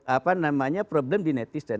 apa namanya problem di netizen